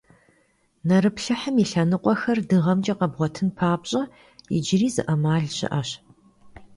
Нэрыплъыхьым и лъэныкъуэхэр дыгъэмкӀэ къэбгъуэтын папщӀэ, иджыри зы Ӏэмал щыӀэщ.